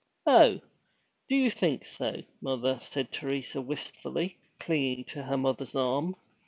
'Oh, do you think so, mother?' said Teresa wistfully, clinging to her mother's arm.